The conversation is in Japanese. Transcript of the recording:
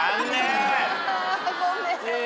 ごめん。